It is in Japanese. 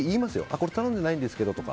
これ頼んでないんですけどとか。